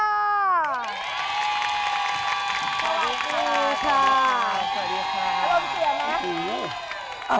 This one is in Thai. สวัสดีค่ะ